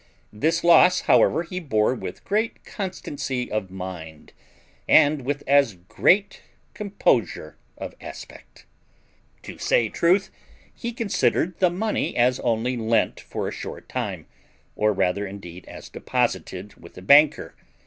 This loss however he bore with great constancy of mind, and with as great composure of aspect. To say truth, he considered the money as only lent for a short time, or rather indeed as deposited with a banker.